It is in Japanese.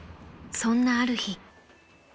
そんなある日］